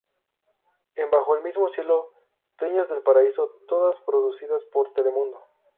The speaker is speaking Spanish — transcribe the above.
En Bajo el mismo cielo, Dueños del paraíso, todas producidas por Telemundo.